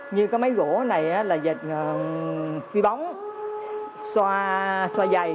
như cái máy gỗ này là dệt phi bóng xoa dày